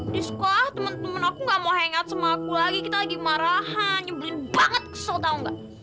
di sekolah temen temen aku gak mau hangout sama aku lagi kita lagi marahan nyebelin banget ke so tau nggak